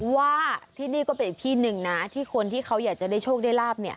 ว่าที่นี่ก็เป็นอีกที่หนึ่งนะที่คนที่เขาอยากจะได้โชคได้ลาบ